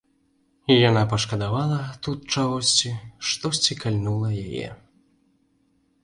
Яна пашкадавала тут чагосьці, штосьці кальнула яе.